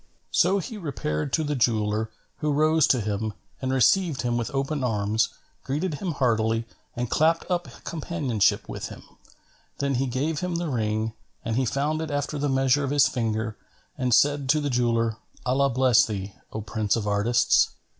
So he repaired to the jeweller, who rose to him and received him with open arms, greeted him heartily and clapped up companionship with him. Then he gave him the ring, and he found it after the measure of his finger and said to the jeweller, "Allah bless thee, O prince of artists!